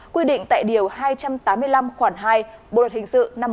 quy định tại điều hai trăm tám mươi năm khoảng hai bộ lực hình sự năm một nghìn chín trăm chín mươi chín